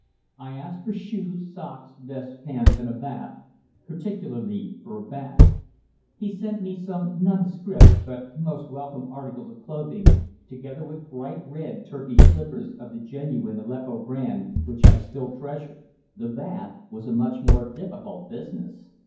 I asked for shoes, socks, vest, pants, and a bath particularly for a bath. He sent me some nondescript but most welcome articles of clothing, together with bright red Turkish slippers of the genuine Aleppo brand, which I still treasure. The bath was a much more difficult business.